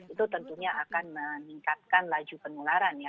itu tentunya akan meningkatkan laju penularan ya